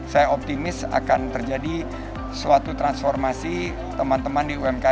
saya optimis akan terjadi suatu transformasi teman teman di umkm